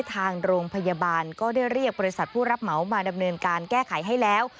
ทางโรงพยาบาลก็ได้เรียกบริษัทผู้รับเหมามาดำเนินการแก้ไขให้แล้ว